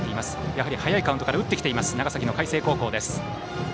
やはり早いカウントから打ってきている長崎、海星高校。